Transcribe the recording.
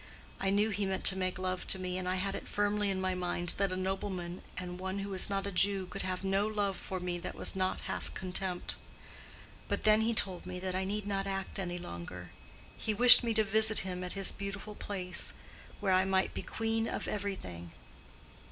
I knew he meant to make love to me, and I had it firmly in my mind that a nobleman and one who was not a Jew could have no love for me that was not half contempt. But then he told me that I need not act any longer; he wished me to visit him at his beautiful place, where I might be queen of everything.